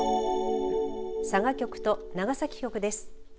佐賀局と長崎局です。